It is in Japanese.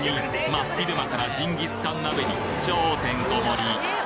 真っ昼間からジンギスカン鍋に超てんこ盛り！